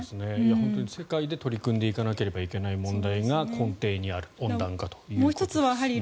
本当に世界で取り組んでいかなければいけない問題が根底にある温暖化ということですね。